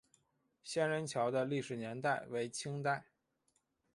仙人桥的历史年代为清代。